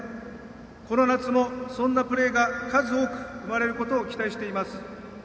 この夏もそんなプレーが数多く生まれることを期待しています。